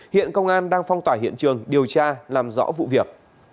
hiện công an đang phong tỏa hiện trường điều tra làm rõ vụ việc